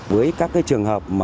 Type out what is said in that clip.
với các trường hợp